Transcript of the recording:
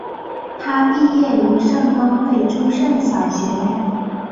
他毕业于圣公会诸圣小学。